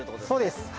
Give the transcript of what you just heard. そうです。